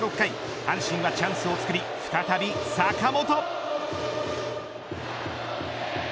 ６回阪神はチャンスをつくり再び坂本。